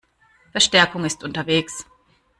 Verstärkung ist unterwegs.